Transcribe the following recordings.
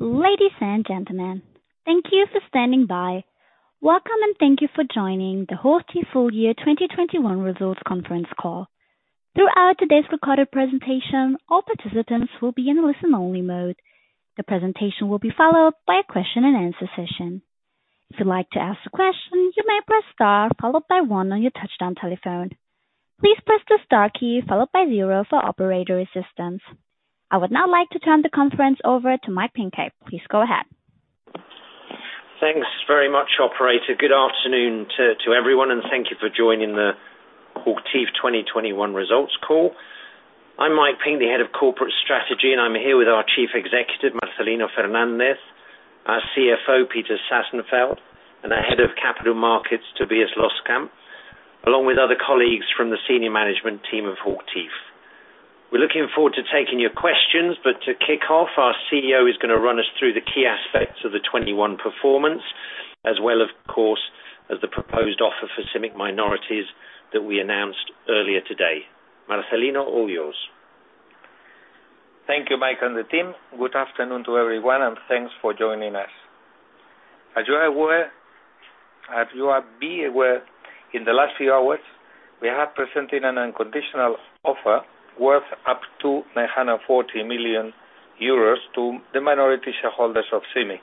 Ladies and gentlemen, thank you for standing by. Welcome and thank you for joining the HOCHTIEF full year 2021 results conference call. Throughout today's recorded presentation, all participants will be in listen-only mode. The presentation will be followed by a Q&A session. If you'd like to ask a question, you may press star followed by one on your touch-tone telephone. Please press the star key followed by zero for operator assistance. I would now like to turn the conference over to Mike Pinkney. Please go ahead. Thanks very much, operator. Good afternoon to everyone, and thank you for joining the HOCHTIEF 2021 results call. I'm Mike Pinkney, the Head of Corporate Strategy, and I'm here with our Chief Executive, Marcelino Fernández, our CFO, Peter Sassenfeld, and our Head of Capital Markets, Tobias Loskamp, along with other colleagues from the senior management team of HOCHTIEF. We're looking forward to taking your questions, but to kick off, our CEO is gonna run us through the key aspects of the 2021 performance as well, of course, as the proposed offer for CIMIC minorities that we announced earlier today. Marcelino, all yours. Thank you, Mike and the team. Good afternoon to everyone, and thanks for joining us. As you are aware, in the last few hours, we have presented an unconditional offer worth up to 940 million euros to the minority shareholders of CIMIC.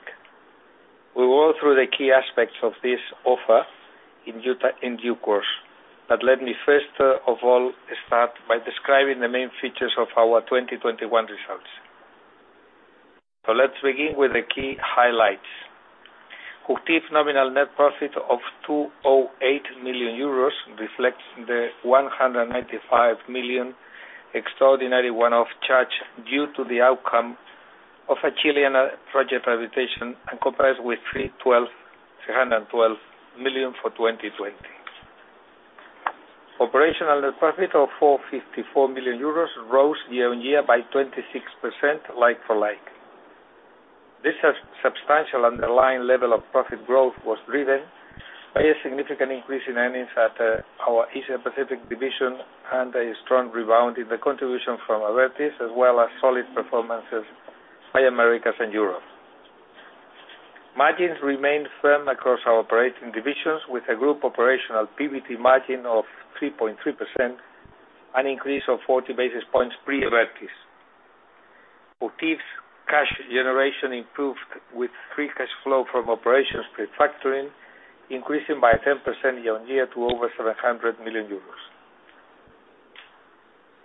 We'll go through the key aspects of this offer in due course, but let me first, of all start by describing the main features of our 2021 results. Let's begin with the key highlights. HOCHTIEF nominal net profit of 208 million euros reflects the 195 million extraordinary one-off charge due to the outcome of a Chilean project arbitration and compared with 312 million for 2020. Operational net profit of 454 million euros rose year-on-year by 26% like for like. This substantial underlying level of profit growth was driven by a significant increase in earnings at our Asia Pacific division and a strong rebound in the contribution from Abertis, as well as solid performances by Americas and Europe. Margins remained firm across our operating divisions with a group operational PBT margin of 3.3%, an increase of 40 basis points pre-Abertis. HOCHTIEF's cash generation improved with free cash flow from operations pre-factoring, increasing by 10% year-on-year to over 700 million euros.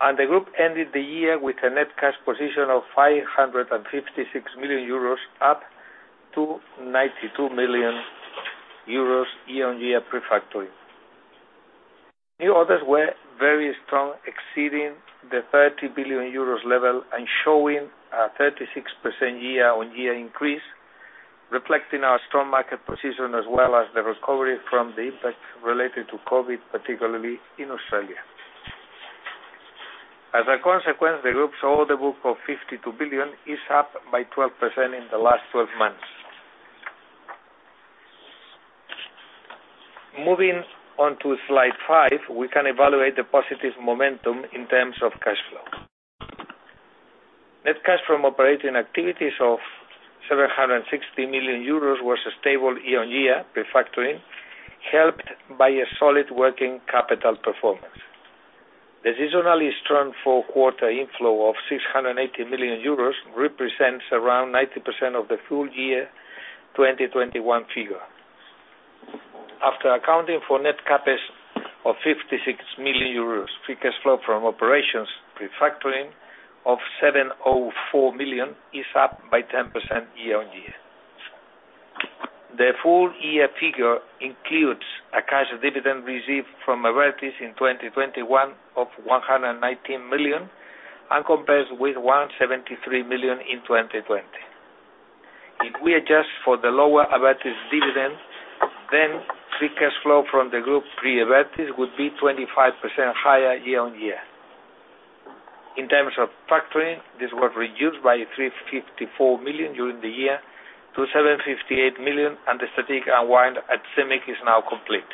The group ended the year with a net cash position of 556 million euros, up 92 million euros year-on-year pre-factoring. New orders were very strong, exceeding the 30 billion euros level and showing a 36% year-on-year increase, reflecting our strong market position as well as the recovery from the impact related to COVID, particularly in Australia. As a consequence, the group's order book of 52 billion is up by 12% in the last 12 months. Moving on to slide five, we can evaluate the positive momentum in terms of cash flow. Net cash from operating activities of 760 million euros was stable year-on-year pre-factoring, helped by a solid working capital performance. The seasonally strong Q4 inflow of 680 million euros represents around 90% of the full-year 2021 figure. After accounting for net CapEx of 56 million euros, free cash flow from operations pre-factoring of 704 million is up by 10% year-on-year. The full-year figure includes a cash dividend received from Abertis in 2021 of 119 million and compares with 173 million in 2020. If we adjust for the lower Abertis dividend, free cash flow from the group pre-Abertis would be 25% higher year-on-year. In terms of factoring, this was reduced by 354 million during the year to 758 million, and the strategic unwind at CIMIC is now complete.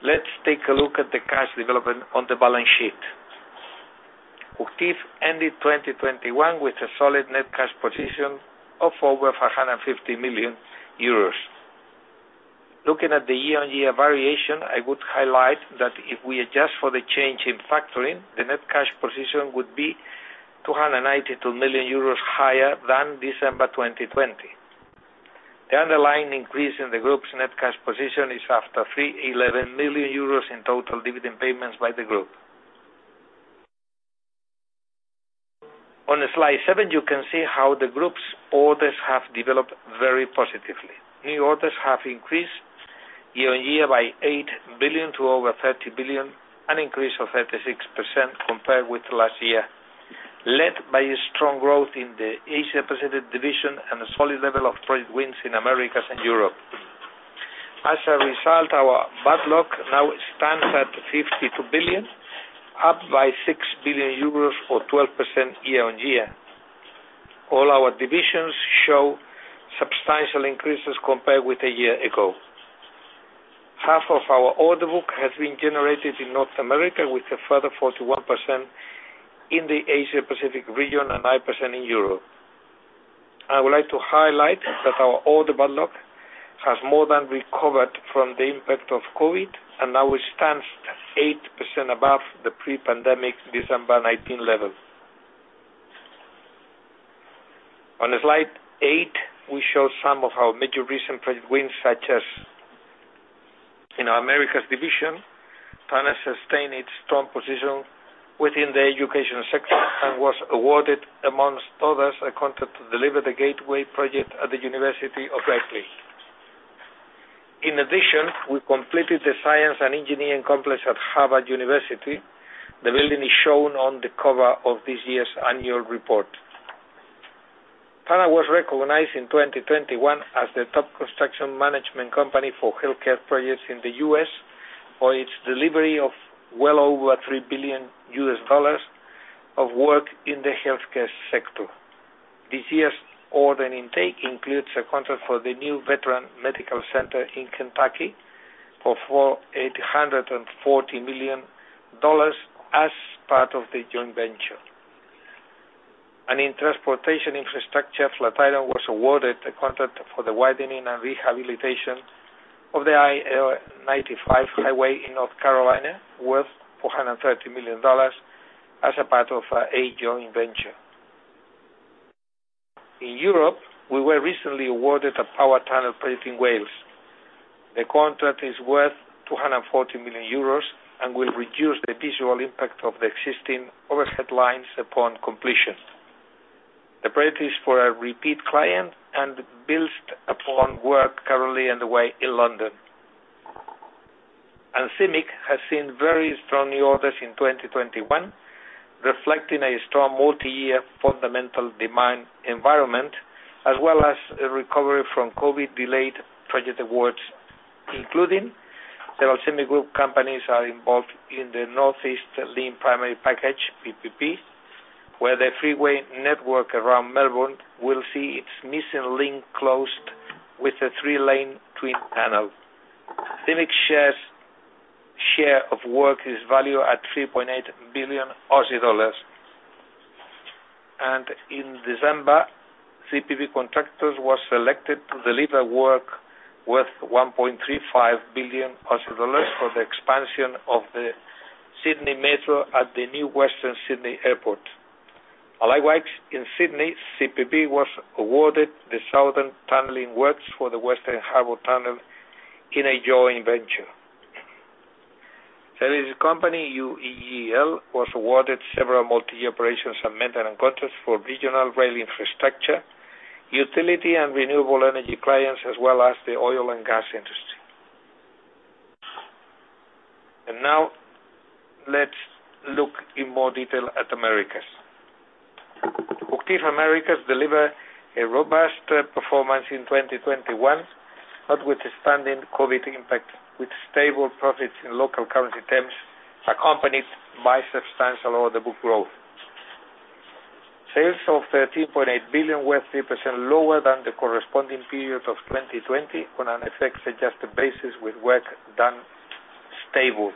Let's take a look at the cash development on the balance sheet. HOCHTIEF ended 2021 with a solid net cash position of over 150 million euros. Looking at the year-on-year variation, I would highlight that if we adjust for the change in factoring, the net cash position would be 292 million euros higher than December 2020. The underlying increase in the group's net cash position is after 311 million euros in total dividend payments by the group. On slide seven, you can see how the group's orders have developed very positively. New orders have increased year-on-year by 8 billion to over 30 billion, an increase of 36% compared with last year, led by a strong growth in the Asia Pacific division and a solid level of project wins in Americas and Europe. As a result, our backlog now stands at 52 billion, up by 6 billion euros or 12% year-on-year. All our divisions show substantial increases compared with a year ago. Half of our order book has been generated in North America with a further 41% in the Asia-Pacific region and 8% in Europe. I would like to highlight that our order backlog has more than recovered from the impact of COVID, and now it stands 8% above the pre-pandemic December 2019 level. On slide eight, we show some of our major recent project wins, such as in our Americas division. Turner sustained its strong position within the education sector and was awarded, amongst others, a contract to deliver the gateway project at the University of Langley. In addition, we completed the science and engineering complex at Harvard University. The building is shown on the cover of this year's annual report. Turner was recognized in 2021 as the top construction management company for healthcare projects in the U.S. for its delivery of well over $3 billion of work in the healthcare sector. This year's order intake includes a contract for the new Veteran Medical Center in Kentucky for $840 million as part of the joint venture. In transportation infrastructure, Flatiron was awarded a contract for the widening and rehabilitation of the I-95 highway in North Carolina, worth $430 million as part of a joint venture. In Europe, we were recently awarded a power tunnel project in Wales. The contract is worth 240 million euros and will reduce the visual impact of the existing overhead lines upon completion. The project is for a repeat client and builds upon work currently underway in London. CIMIC has seen very strong new orders in 2021, reflecting a strong multi-year fundamental demand environment, as well as a recovery from COVID delayed project awards, including several CIMIC group companies are involved in the North East Link Primary Package, PPP, where the freeway network around Melbourne will see its missing link closed with a three-lane twin tunnel. CIMIC's share of work is valued at 3.8 billion Aussie dollars. In December, CPB Contractors was selected to deliver work worth 1.35 billion Aussie dollars for the expansion of the Sydney Metro at the new Western Sydney Airport. Likewise, in Sydney, CPB was awarded the southern tunneling works for the Western Harbour Tunnel in a joint venture. That is, the company UGL was awarded several multi-year operations and maintenance contracts for regional rail infrastructure, utility, and renewable energy clients, as well as the oil and gas industry. Now let's look in more detail at the Americas. HOCHTIEF Americas delivered a robust performance in 2021, notwithstanding COVID impact, with stable profits in local currency terms, accompanied by substantial order book growth. Sales of 13.8 billion were 3% lower than the corresponding period of 2020 on an FX adjusted basis with work done stable.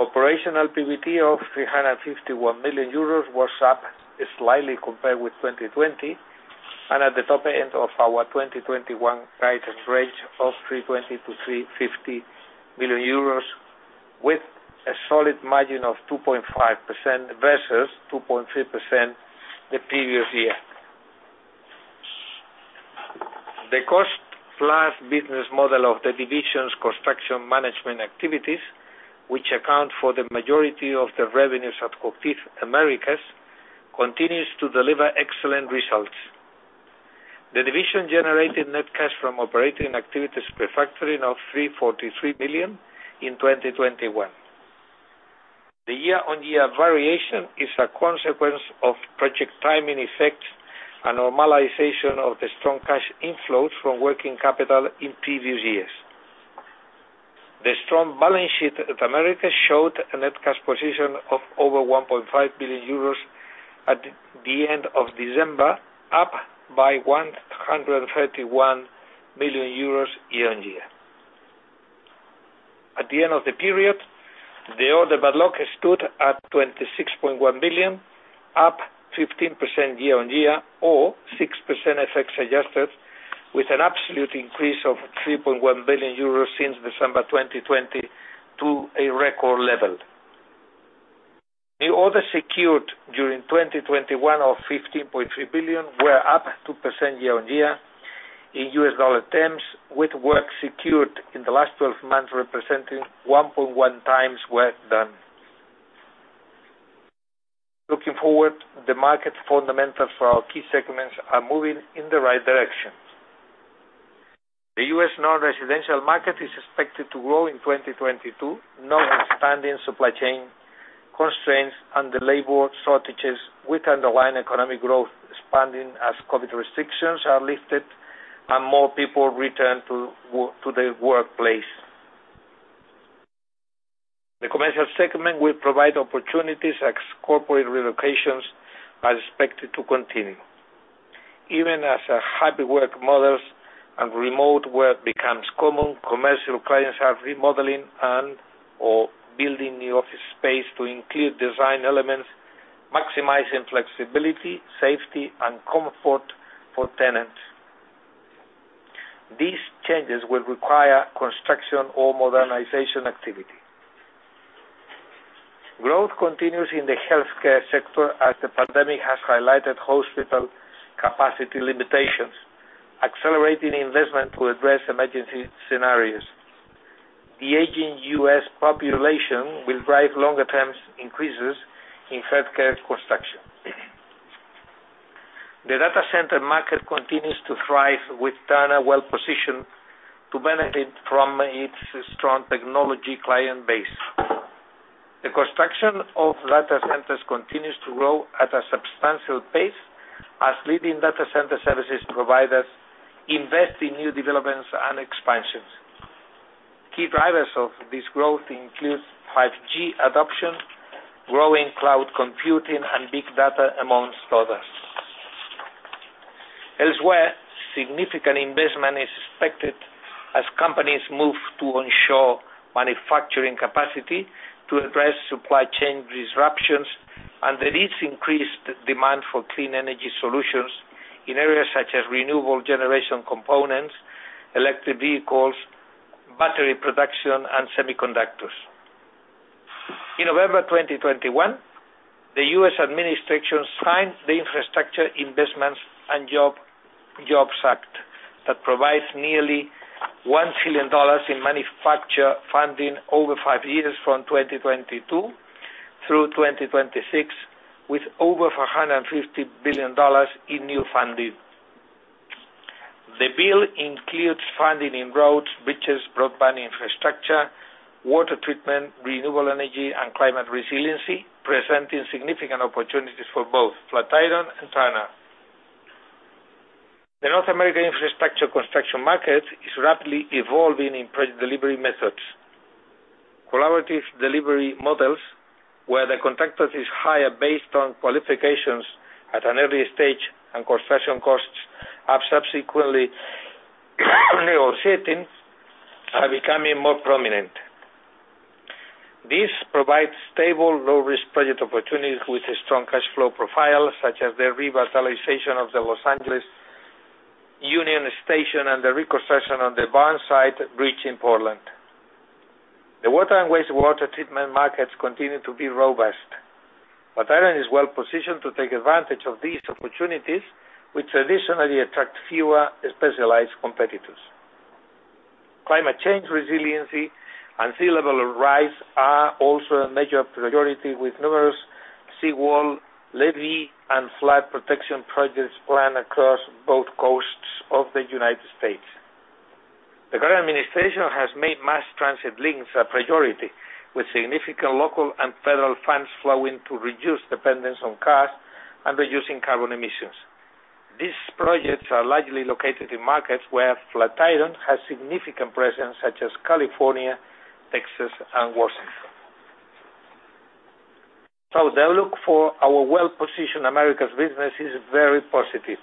Operational PBT of 351 million euros was up slightly compared with 2020 and at the top end of our 2021 guidance range of 320 million-350 million euros with a solid margin of 2.5% versus 2.3% the previous year. The cost-plus business model of the division's construction management activities, which account for the majority of the revenues at HOCHTIEF Americas, continues to deliver excellent results. The division generated net cash from operating activities pre-factoring of 343 million in 2021. The year-on-year variation is a consequence of project timing effects and normalization of the strong cash inflows from working capital in previous years. The strong balance sheet at Americas showed a net cash position of over 1.5 billion euros at the end of December, up by 131 million euros year-on-year. At the end of the period, the order backlog stood at 26.1 billion, up 15% year-on-year or 6% FX adjusted with an absolute increase of 3.1 billion euros since December 2020 to a record level. New orders secured during 2021 of 15.3 billion were up 2% year-on-year in U.S. dollar terms, with work secured in the last twelve months representing 1.1x work done. Looking forward, the market fundamentals for our key segments are moving in the right direction. The U.S. non-residential market is expected to grow in 2022, notwithstanding supply chain constraints and the labor shortages, with underlying economic growth expanding as COVID restrictions are lifted and more people return to the workplace. Demand will provide opportunities as corporate relocations are expected to continue. Even as hybrid work models and remote work become common, commercial clients are remodeling and/or building new office space to include design elements, maximizing flexibility, safety, and comfort for tenants. These changes will require construction or modernization activity. Growth continues in the healthcare sector as the pandemic has highlighted hospital capacity limitations, accelerating investment to address emergency scenarios. The aging U.S. population will drive longer-term increases in healthcare construction. The data center market continues to thrive, with Turner well-positioned to benefit from its strong technology client base. The construction of data centers continues to grow at a substantial pace as leading data center services providers invest in new developments and expansions. Key drivers of this growth include 5G adoption, growing cloud computing, and big data, among others. Elsewhere, significant investment is expected as companies move to ensure manufacturing capacity to address supply chain disruptions and the increased demand for clean energy solutions in areas such as renewable generation components, electric vehicles, battery production, and semiconductors. In November 2021, the U.S. administration signed the Infrastructure Investment and Jobs Act that provides nearly $1 trillion in manufacturing funding over five years, from 2022 through 2026, with over $450 billion in new funding. The bill includes funding in roads, bridges, broadband infrastructure, water treatment, renewable energy, and climate resiliency, presenting significant opportunities for both Flatiron and Turner. The North American infrastructure construction market is rapidly evolving in project delivery methods. Collaborative delivery models, where the contractor is hired based on qualifications at an early stage and construction costs are subsequently negotiated, are becoming more prominent. This provides stable, low-risk project opportunities with a strong cash flow profile, such as the revitalization of the Los Angeles Union Station and the reconstruction of the Burnside Bridge in Portland. The water and wastewater treatment markets continue to be robust. Flatiron is well-positioned to take advantage of these opportunities, which additionally attract fewer specialized competitors. Climate change resiliency and sea level rise are also a major priority, with numerous seawall, levee, and flood protection projects planned across both coasts of the United States. The current administration has made mass transit links a priority, with significant local and federal funds flowing to reduce dependence on cars and reducing carbon emissions. These projects are largely located in markets where Flatiron has significant presence, such as California, Texas, and Washington. The outlook for our well-positioned Americas business is very positive.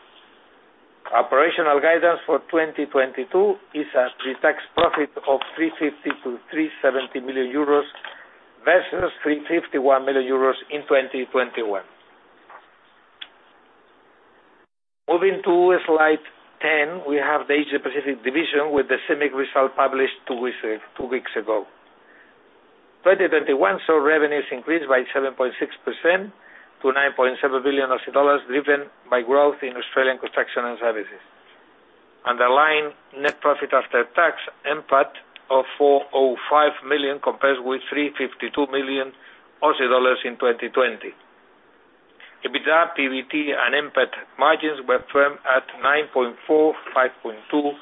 Operational guidance for 2022 is a pre-tax profit of 350 million-370 million euros, versus 351 million euros in 2021. Moving to slide 10, we have the Asia-Pacific division with the CIMIC result published two weeks ago. 2021 saw revenues increased by 7.6% to 9.7 billion dollars, driven by growth in Australian construction and services. Underlying net profit after tax, NPAT, of 405 million, compared with 352 million Aussie dollars in 2020. EBITDA, PBT, and NPAT margins were firm at 9.4%, 5.2%,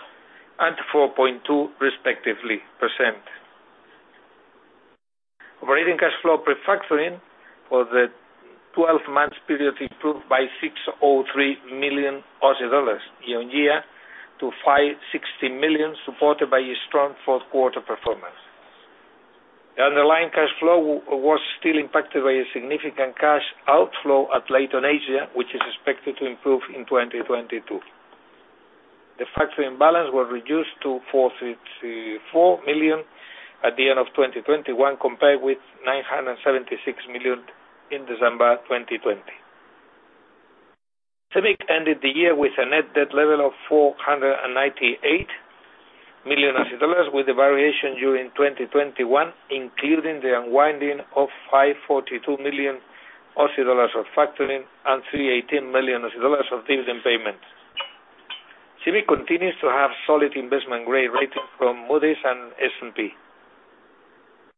and 4.2%, respectively. Operating cash flow pre-factoring for the twelve-month period improved by 603 million Aussie dollars year-on-year to 560 million, supported by a strong fourth quarter performance. The underlying cash flow was still impacted by a significant cash outflow at Leighton Asia, which is expected to improve in 2022. The factoring balance was reduced to 432.4 million at the end of 2021, compared with 976 million in December 2020. CIMIC ended the year with a net debt level of AUD 498 million, with the variation during 2021, including the unwinding of AUD 542 million of factoring and AUD 318 million of dividend payments. CIMIC continues to have solid investment-grade ratings from Moody's and S&P.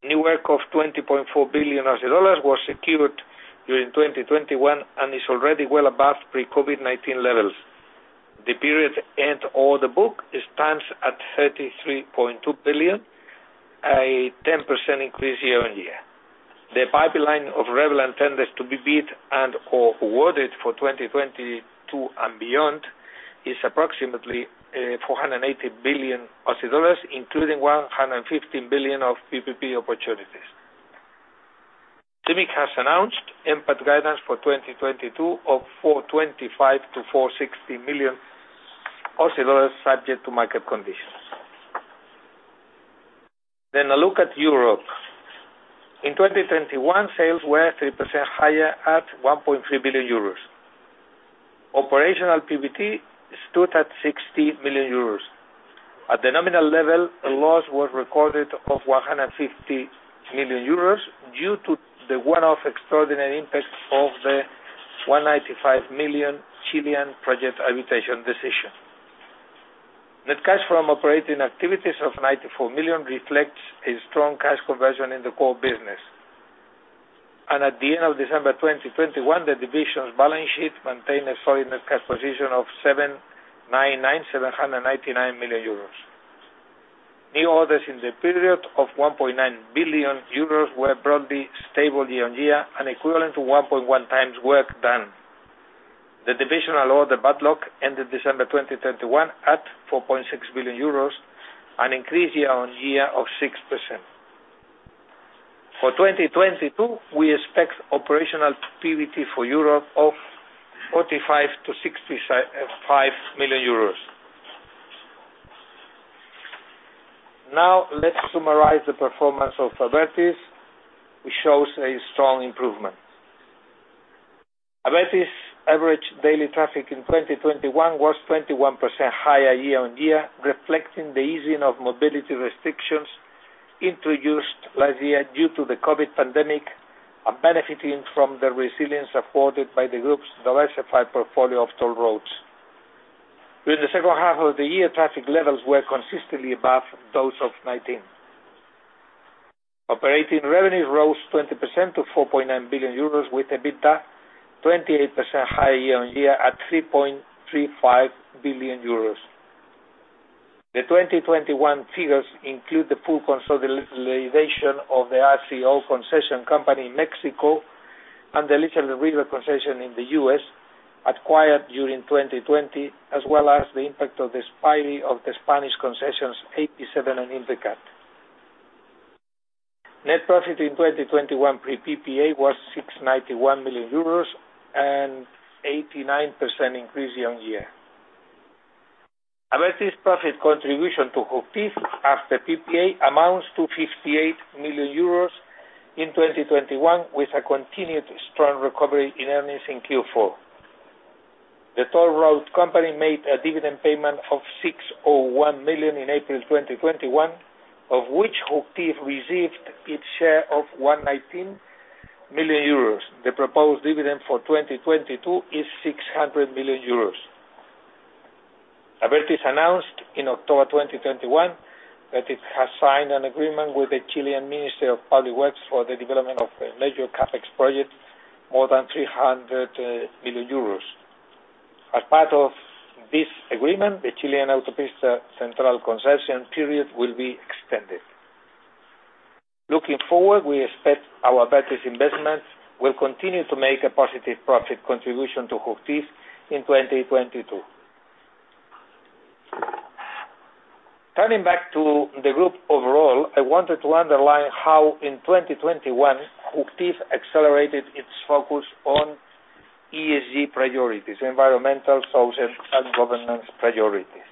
New work of 20.4 billion dollars was secured during 2021 and is already well above pre-COVID-19 levels. The period end order book stands at 33.2 billion, a 10% increase year-on-year. The pipeline of relevant tenders to be bid and/or awarded for 2022 and beyond is approximately AUD 480 billion, including 150 billion of PPP opportunities. CIMIC has announced NPAT guidance for 2022 of 425 million-460 million Aussie dollars subject to market conditions. A look at Europe. In 2021, sales were 3% higher at 1.3 billion euros. Operational PBT stood at 60 million euros. At the nominal level, a loss was recorded of 150 million euros due to the one-off extraordinary impact of the 195 million Chilean project arbitration decision. Net cash from operating activities of 94 million reflects a strong cash conversion in the core business. At the end of December 2021, the division's balance sheet maintained a solid net cash position of 799 million euros. New orders in the period of 1.9 billion euros were broadly stable year-on-year and equivalent to 1.1x work done. The divisional order backlog ended December 2021 at 4.6 billion euros, an increase year-on-year of 6%. For 2022, we expect operational PBT for Europe of 45 million-65 million euros. Now let's summarize the performance of Abertis, which shows a strong improvement. Abertis average daily traffic in 2021 was 21% higher year-on-year, reflecting the easing of mobility restrictions introduced last year due to the COVID pandemic and benefiting from the resilience afforded by the group's diversified portfolio of toll roads. During the second half of the year, traffic levels were consistently above those of 2019. Operating revenues rose 20% to 4.9 billion euros, with EBITDA 28% higher year on year at 3.35 billion euros. The 2021 figures include the full consolidation of the RCO concession company in Mexico and the Elizabeth River concession in the U.S. acquired during 2020, as well as the impact of the selling of the Spanish concessions, AP-7 and Invicat. Net profit in 2021 pre-PPA was 691 million euros and 89% increase year on year. Abertis' profit contribution to HOCHTIEF after PPA amounts to 58 million euros in 2021, with a continued strong recovery in earnings in Q4. The toll road company made a dividend payment of 6.01 million in April 2021, of which HOCHTIEF received its share of 1.19 million euros. The proposed dividend for 2022 is 600 million euros. Abertis announced in October 2021 that it has signed an agreement with the Chilean Ministry of Public Works for the development of a major CapEx project, more than 300 million euros. As part of this agreement, the Chilean Autopista Central concession period will be extended. Looking forward, we expect our Abertis investments will continue to make a positive profit contribution to HOCHTIEF in 2022. Turning back to the group overall, I wanted to underline how in 2021, HOCHTIEF accelerated its focus on ESG priorities, environmental, social, and governance priorities.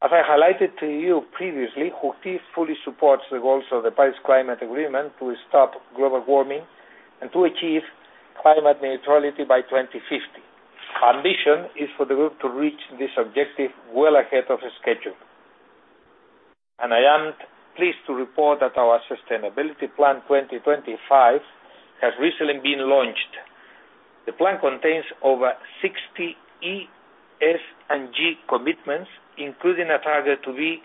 As I highlighted to you previously, HOCHTIEF fully supports the goals of the Paris Agreement to stop global warming and to achieve climate neutrality by 2050. Our ambition is for the group to reach this objective well ahead of schedule. I am pleased to report that our Sustainability Plan 2025 has recently been launched. The plan contains over 60 E, S, and G commitments, including a target to be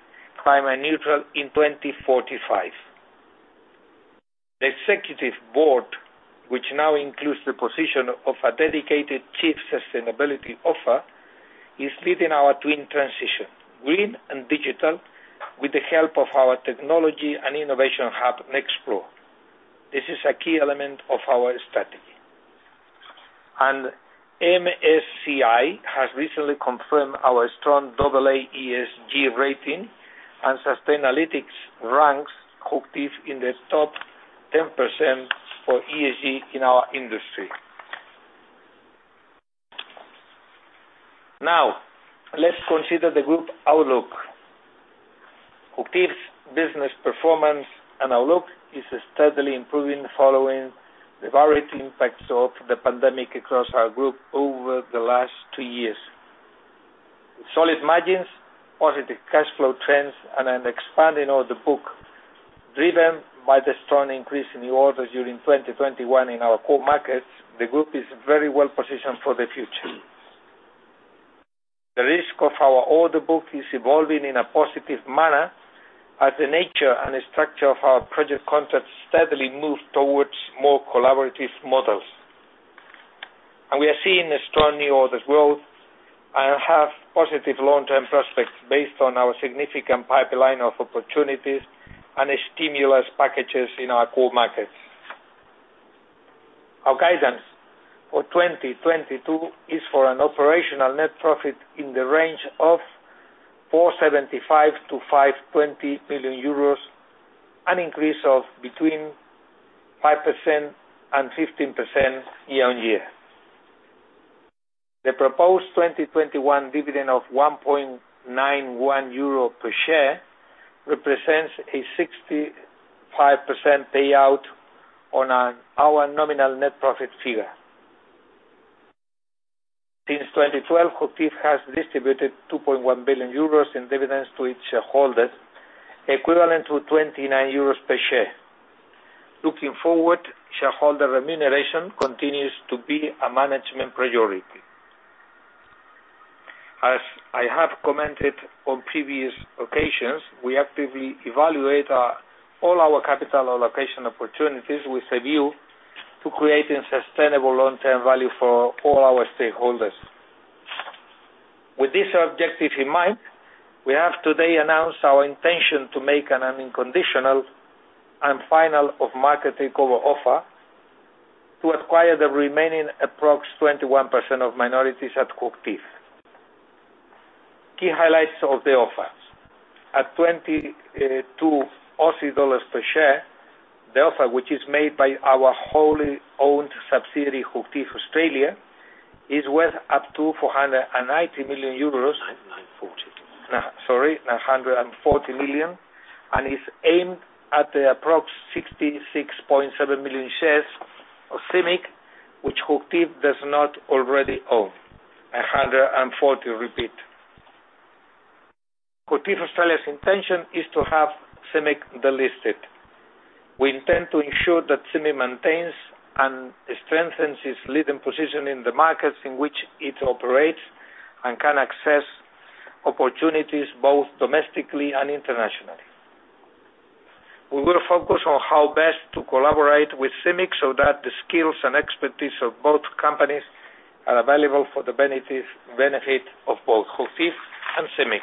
climate neutral in 2045. The executive board, which now includes the position of a dedicated Chief Sustainability Officer, is leading our twin transition, green and digital, with the help of our technology and innovation hub, Nexplore. This is a key element of our strategy. MSCI has recently confirmed our strong AA ESG rating and Sustainalytics ranks HOCHTIEF in the top 10% for ESG in our industry. Now, let's consider the group outlook. HOCHTIEF's business performance and outlook is steadily improving following the varied impacts of the pandemic across our group over the last two years. With solid margins, positive cash flow trends, and an expanding order book driven by the strong increase in new orders during 2021 in our core markets, the group is very well positioned for the future. The risk of our order book is evolving in a positive manner as the nature and the structure of our project contracts steadily move towards more collaborative models. We are seeing a strong new orders growth and have positive long-term prospects based on our significant pipeline of opportunities and the stimulus packages in our core markets. Our guidance for 2022 is for an operational net profit in the range of 475 million-520 million euros, an increase of between 5% and 15% year-on-year. The proposed 2021 dividend of 1.91 euro per share represents a 65% payout on our nominal net profit figure. Since 2012, HOCHTIEF has distributed 2.1 billion euros in dividends to its shareholders, equivalent to 29 euros per share. Looking forward, shareholder remuneration continues to be a management priority. As I have commented on previous occasions, we actively evaluate all our capital allocation opportunities with a view to creating sustainable long-term value for all our stakeholders. With this objective in mind, we have today announced our intention to make an unconditional and final off-market takeover offer to acquire the remaining approx 21% of minorities at HOCHTIEF. Key highlights of the offers. At 22 Aussie dollars per share, the offer, which is made by our wholly owned subsidiary, HOCHTIEF Australia, is worth up to 490 million euros. 940. 940 million and is aimed at the approximately 66.7 million shares of CIMIC, which HOCHTIEF does not already own. HOCHTIEF Australia's intention is to have CIMIC delisted. We intend to ensure that CIMIC maintains and strengthens its leading position in the markets in which it operates and can access opportunities both domestically and internationally. We will focus on how best to collaborate with CIMIC so that the skills and expertise of both companies are available for the benefit of both HOCHTIEF and CIMIC.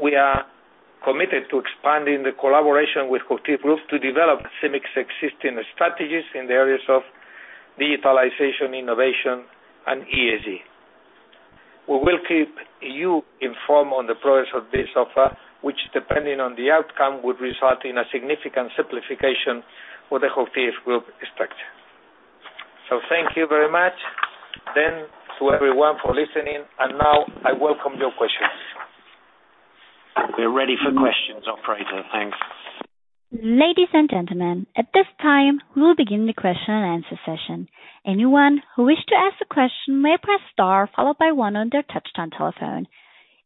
We are committed to expanding the collaboration with HOCHTIEF Group to develop CIMIC's existing strategies in the areas of digitalization, innovation, and ESG. We will keep you informed on the progress of this offer, which, depending on the outcome, would result in a significant simplification for the HOCHTIEF Group structure. Thank you very much then to everyone for listening. Now I welcome your questions. We're ready for questions, operator. Thanks. Ladies and gentlemen, at this time, we'll begin the Q&A session. Anyone who wishes to ask a question may press star followed by one on their touchtone telephone.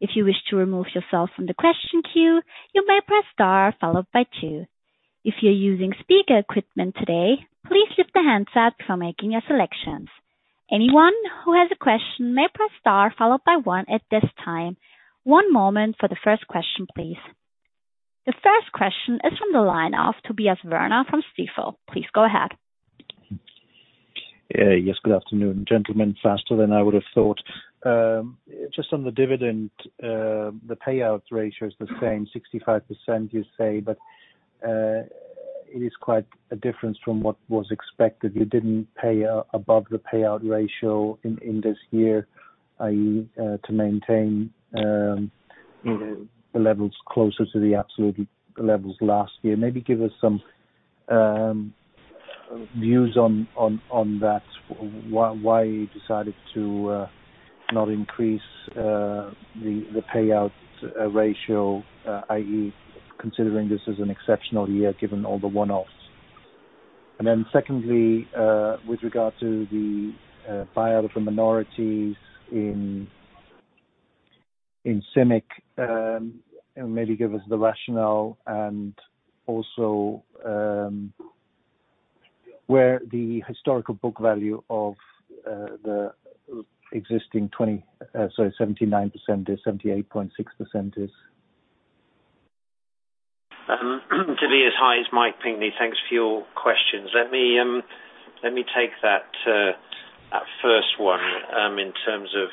If you wish to remove yourself from the question queue, you may press star followed by two. If you're using speaker equipment today, please lift the handset before making your selections. Anyone who has a question may press star followed by one at this time. One moment for the first question, please. The first question is from the line of Tobias Werner from Stifel. Please go ahead. Yes, good afternoon, gentlemen. Faster than I would have thought. Just on the dividend, the payout ratio is the same, 65% you say, but it is quite a difference from what was expected. You didn't pay above the payout ratio in this year, i.e., to maintain, you know, the levels closer to the absolute levels last year. Maybe give us some views on that, why you decided to not increase the payout ratio, i.e., considering this as an exceptional year given all the one-offs. Then secondly, with regard to the buyout of the minorities in CIMIC, maybe give us the rationale and also where the historical book value of the existing 78.6% is. Tobias, hi, it's Mike Pinkney. Thanks for your questions. Let me take that first one in terms of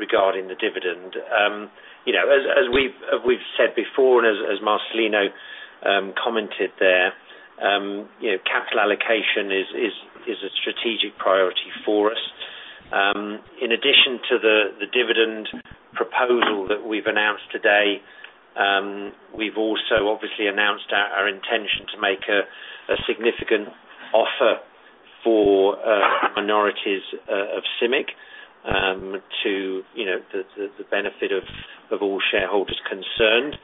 regarding the dividend. You know, as we've said before and as Marcelino commented there, you know, capital allocation is a strategic priority for us. In addition to the dividend proposal that we've announced today, we've also obviously announced our intention to make a significant offer for minorities of CIMIC, to the benefit of all shareholders concerned.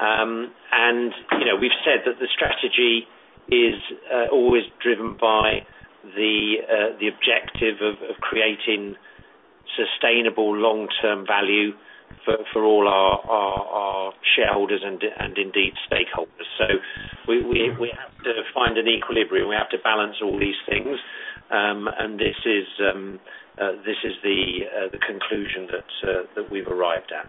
You know, we've said that the strategy is always driven by the objective of creating sustainable long-term value for all our shareholders and indeed stakeholders. We have to find an equilibrium. We have to balance all these things. This is the conclusion that we've arrived at.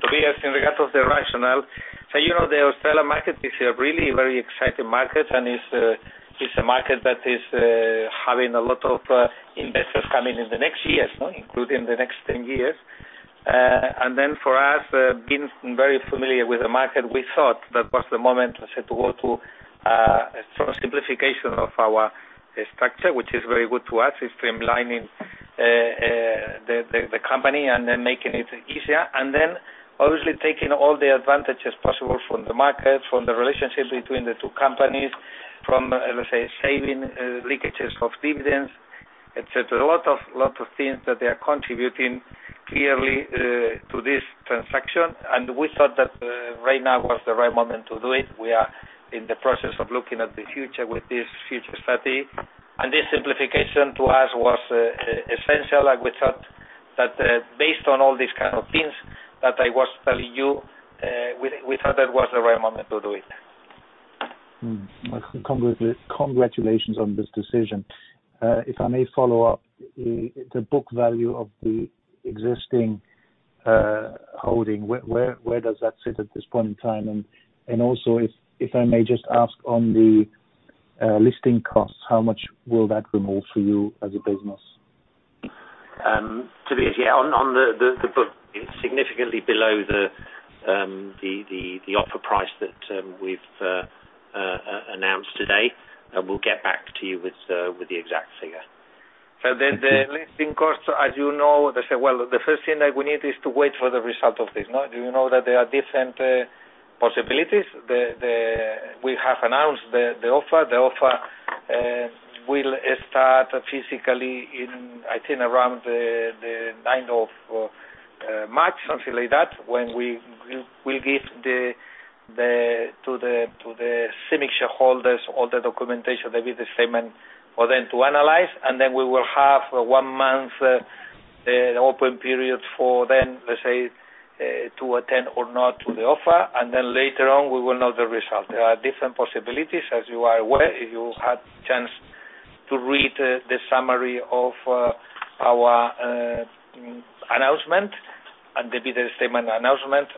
Tobias, in regard of the rationale. You know, the Australian market is a really very exciting market, and it's a market that is having a lot of investors coming in the next years, including the next 10 years. For us, being very familiar with the market, we thought that was the moment I said to go to sort of simplification of our structure, which is very good to us. It's streamlining the company and then making it easier, and then obviously taking all the advantages possible from the market, from the relationship between the two companies from, let's say, saving leakages of dividends, et cetera. A lot of things that they are contributing clearly to this transaction. We thought that right now was the right moment to do it. We are in the process of looking at the future with this future study. This simplification to us was essential, and we thought that, based on all these kind of things that I was telling you, we thought that was the right moment to do it. Congratulations on this decision. If I may follow up, the book value of the existing holding, where does that sit at this point in time? Also, if I may just ask on the listing costs, how much will that remove for you as a business? Tobias, yeah, on the book, it's significantly below the offer price that we've announced today. We'll get back to you with the exact figure. The listing cost, as you know, let's say, well, the first thing that we need is to wait for the result of this. Now, you know, that there are different possibilities. We have announced the offer. The offer will start physically in, I think, around the ninth of March, something like that. When we'll give to the CIMIC shareholders all the documentation, there'll be the statement for them to analyze, and then we will have one month open period for them, let's say, to attend or not to the offer. Then later on, we will know the result. There are different possibilities, as you are aware, if you had chance to read the summary of our announcement and the bidder statement announcement.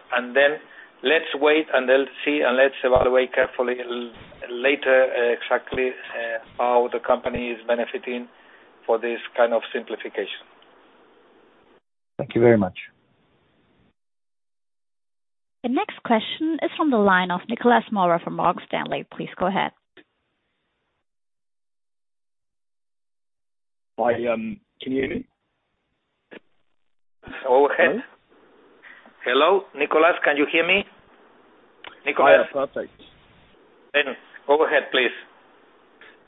Let's wait and then see, and let's evaluate carefully later exactly how the company is benefiting from this kind of simplification. Thank you very much. The next question is from the line of Nicolas Mora from Morgan Stanley. Please go ahead. Hi, can you Go ahead. Hello? Hello, Nicolas, can you hear me? Nicolas? Yeah. Perfect. Go ahead, please.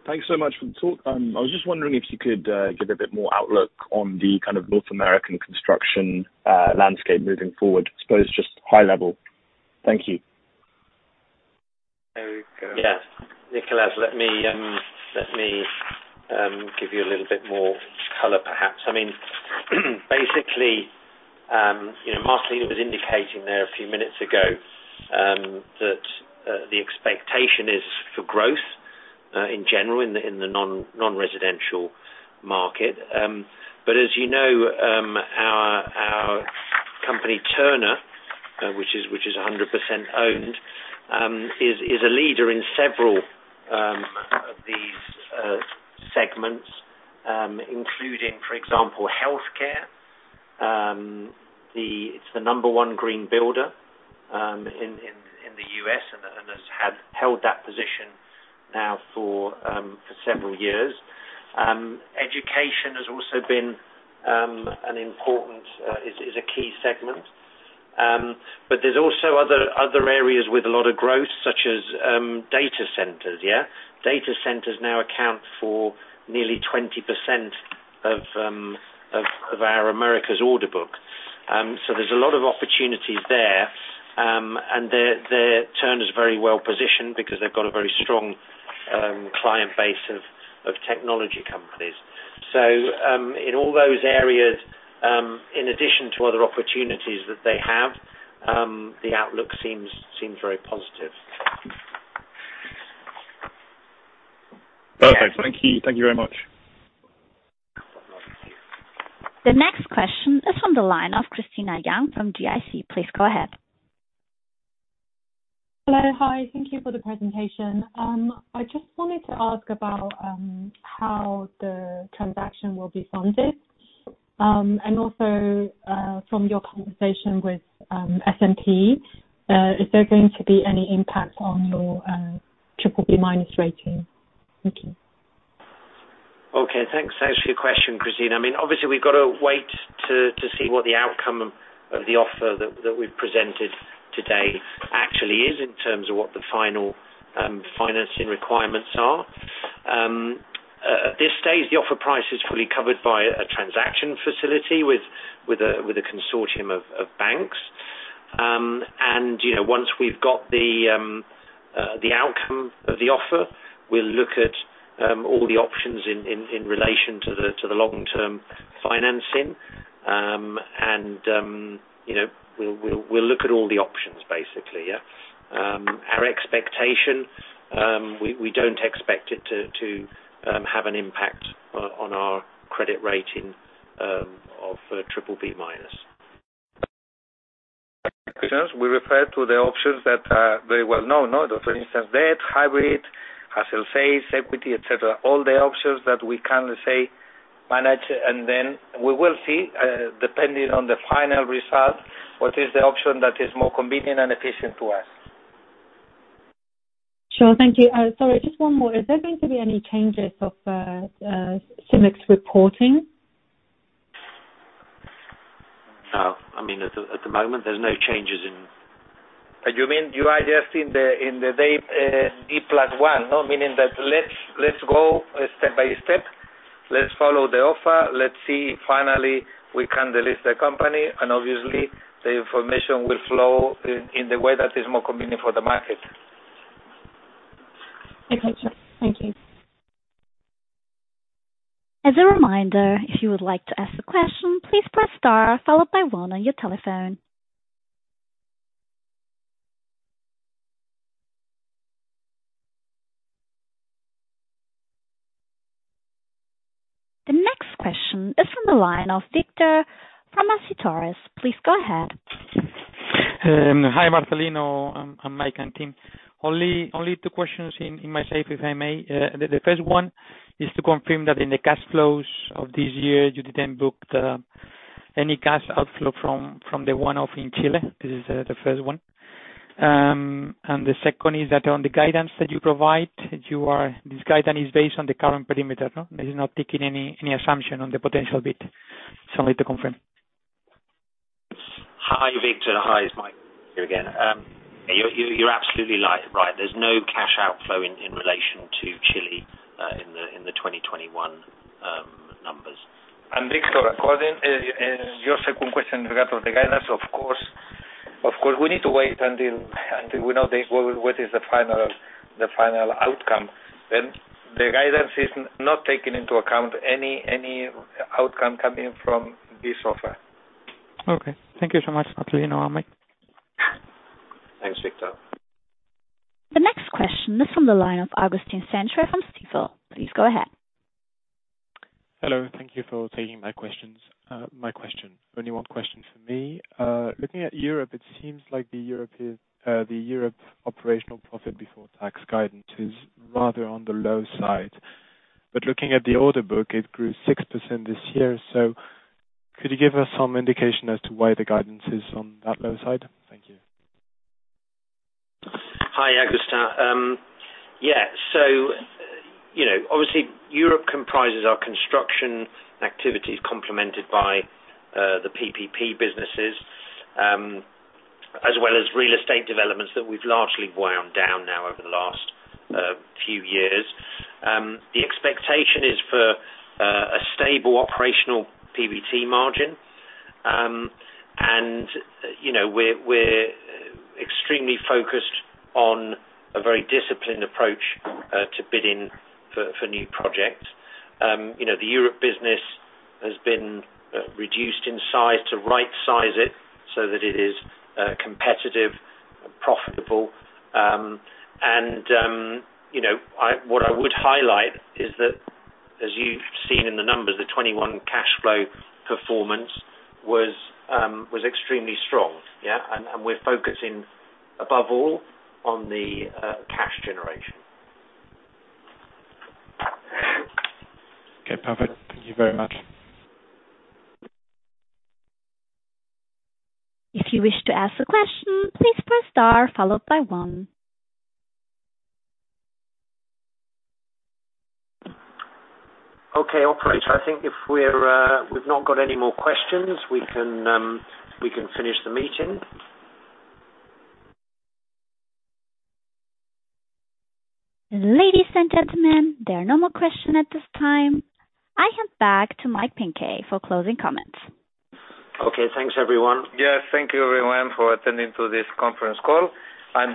Thanks so much for the talk. I was just wondering if you could give a bit more outlook on the kind of North American construction landscape moving forward, I suppose just high level. Thank you. Yeah. Nicholas, let me give you a little bit more color, perhaps. I mean, basically, you know, Marcelino was indicating there a few minutes ago that the expectation is for growth in general in the non-residential market. As you know, our company, Turner, which is 100% owned, is a leader in several of these segments, including, for example, healthcare. It's the No. 1 green builder in the U.S. and has held that position now for several years. Education is a key segment. There's also other areas with a lot of growth, such as data centers. Yeah. Data centers now account for nearly 20% of our America's order book. There's a lot of opportunities there. Turner is very well-positioned because they've got a very strong client base of technology companies. In all those areas, in addition to other opportunities that they have, the outlook seems very positive. Perfect. Thank you. Thank you very much. The next question is from the line of Christine Wang from GIC. Please go ahead. Hello. Hi. Thank you for the presentation. I just wanted to ask about how the transaction will be funded. From your conversation with S&P, is there going to be any impact on your BBB- rating? Thank you. Okay. Thanks. Thanks for your question, Christine. I mean, obviously, we've got to wait to see what the outcome of the offer that we've presented today actually is in terms of what the final financing requirements are. At this stage, the offer price is fully covered by a transaction facility with a consortium of banks. You know, once we've got the outcome of the offer, we'll look at all the options in relation to the long-term financing. You know, we'll look at all the options, basically. Yeah. Our expectation, we don't expect it to have an impact on our credit rating of BBB-. We refer to the options that are very well known. For instance, debt, hybrid, as I said, equity, et cetera. All the options that we can manage, and then we will see, depending on the final result, what is the option that is more convenient and efficient to us. Sure. Thank you. Sorry, just one more. Is there going to be any changes of CIMIC's reporting? No, I mean, at the moment, there's no changes in You mean you are just in the D plus one, no? Meaning that let's go step by step. Let's follow the offer. Let's see finally we can delist the company, and obviously, the information will flow in the way that is more convenient for the market. Okay. Thank you. As a reminder, if you would like to ask a question, please press star followed by one on your telephone. The next question is from the line of Victor Acitores from Société Générale. Please go ahead. Hi, Marcelino, and Mike and team. Only two questions on my side, if I may. The first one is to confirm that in the cash flows of this year, you didn't book any cash outflow from the one-off in Chile. This is the first one. The second is that on the guidance that you provide, this guidance is based on the current perimeter, no? This is not taking any assumption on the potential bid. Only to confirm. Hi, Victor. Hi, it's Mike here again. You're absolutely right. There's no cash outflow in relation to Chile in the 2021 numbers. Victor, according to your second question in regard to the guidance, of course, we need to wait until we know what is the final outcome. The guidance is not taking into account any outcome coming from this offer. Okay. Thank you so much, Marcelino and Mike. Thanks, Victor. The next question is from the line of Augustin Cendre from Stifel. Please go ahead. Hello. Thank you for taking my question. Only one question from me. Looking at Europe, it seems like the Europe operational profit before tax guidance is rather on the low side. Looking at the order book, it grew 6% this year, so could you give us some indication as to why the guidance is on that low side? Thank you. Hi, Augustin. You know, obviously, Europe comprises our construction activities complemented by the PPP businesses, as well as real estate developments that we've largely wound down now over the last few years. The expectation is for a stable operational PBT margin. You know, we're extremely focused on a very disciplined approach to bidding for new projects. You know, the Europe business has been reduced in size to right size it so that it is competitive and profitable. You know, what I would highlight is that as you've seen in the numbers, the 2021 cash flow performance was extremely strong. We're focusing above all on the cash generation. Okay, perfect. Thank you very much. If you wish to ask a question, please press star followed by one. Okay, operator. I think if we've not got any more questions, we can finish the meeting. Ladies and gentlemen, there are no more questions at this time. I hand back to Mike Pinkney for closing comments. Okay, thanks, everyone. Yes, thank you everyone for attending to this conference call. I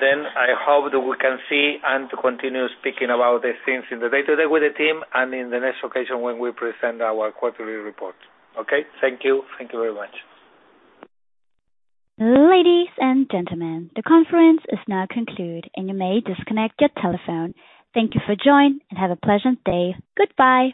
hope that we can see and continue speaking about these things in the day-to-day with the team and in the next occasion when we present our quarterly report. Okay? Thank you. Thank you very much. Ladies and gentlemen, the conference is now concluded, and you may disconnect your telephone. Thank you for joining, and have a pleasant day. Goodbye.